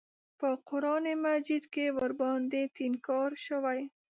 په قران مجید کې ورباندې ټینګار شوی.